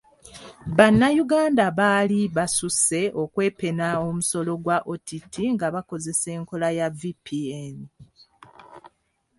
Bannayuganda baali basusse okwepena omusolo gwa OTT nga bakozesa enkola ya VPN.